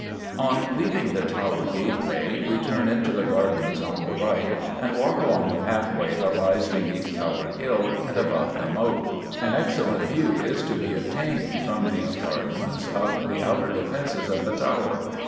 _ On leaving the Tower gateway we turn into the gardens on the right and walk along the pathway that lies beneath Tower Hill and above the moat. An excellent view is to be obtained from these gardens of the outer defences of the Tower.